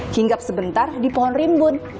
hinggap sebentar di pohon rimbun